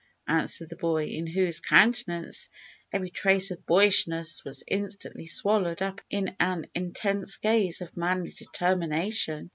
answered the boy, in whose countenance every trace of boyishness was instantly swallowed up in an intense gaze of manly determination.